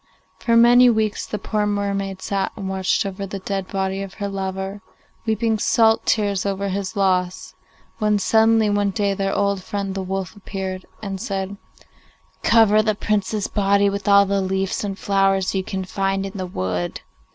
For many weeks the poor mermaid sat and watched over the dead body of her lover, weeping salt tears over his loss, when suddenly one day their old friend the wolf appeared and said, 'Cover the Prince's body with all the leaves and flowers you can find in the wood.